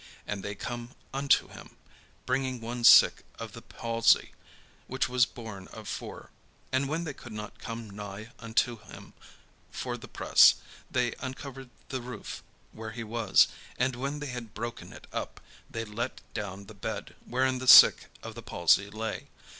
And they come unto him, bringing one sick of the palsy, which was borne of four. And when they could not come nigh unto him for the press, they uncovered the roof where he was: and when they had broken it up, they let down the bed wherein the sick of the palsy lay.